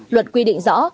luật quy định rõ